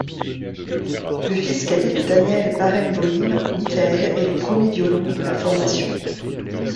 Le fils cadet de Daniel Barenboïm, Michael, est le premier violon de la formation.